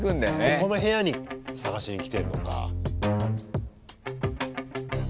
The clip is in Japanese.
ここの部屋に探しにきてんのか。